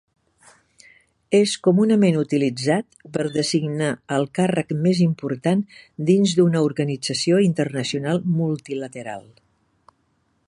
És comunament utilitzat per designar el càrrec més important dins d'una organització internacional multilateral.